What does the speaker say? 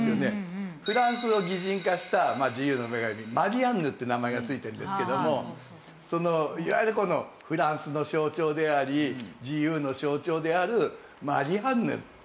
フランスを擬人化した自由の女神マリアンヌって名前がついてるんですけどもそのいわゆるこのフランスの象徴であり自由の象徴であるマリアンヌなんだと。